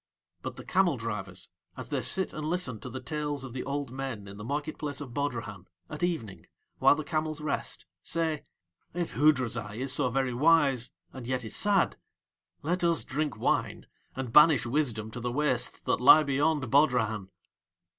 But the camel drivers, as they sit and listen to the tales of the old men in the market place of Bodrahan, at evening, while the camels rest, say: "If Hoodrazai is so very wise and yet is sad, let us drink wine, and banish wisdom to the wastes that lie beyond Bodrahan."